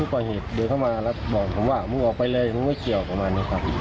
แล้วทีนี้มันออกมาข้างนอก